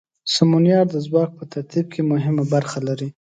سمونیار د ځواک په ترتیب کې مهمه برخه لري.